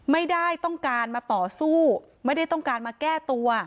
ไม่ได้ต้องการมาต่อสู้ไม่ได้ต้องการมาแก้ตัว